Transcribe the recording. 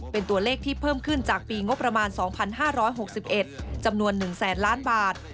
เป็นตัวเลขที่เพิ่มขึ้นจากปีงบประมาณ๒๕๖๑จำนวน๑แสนล้านบาท